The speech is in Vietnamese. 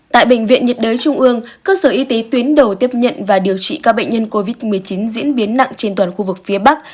tại bệnh viện nhiệt đới trung ương cơ sở y tế tuyến đầu tiếp nhận và điều trị các bệnh nhân covid một mươi chín diễn biến nặng trên toàn khu vực phía bắc